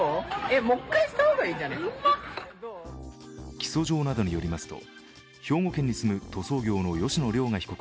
起訴状などによりますと、兵庫県に住む塗装業の吉野凌雅被告